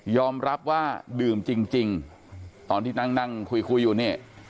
ยอมรับว่าดื่มจริงตอนที่นั่งคุยอยู่เนี่ย